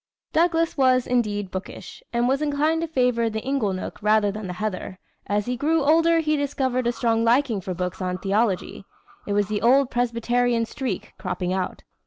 Douglas was, indeed, bookish and was inclined to favor the inglenook rather than the heather. As he grew older he discovered a strong liking for books on theology. It was the old Presbyterian streak cropping out.